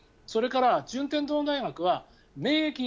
それから順天堂大学は免疫。